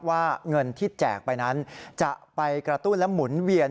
ว่าเงินที่แจกไปนั้นจะไปกระตุ้นและหมุนเวียน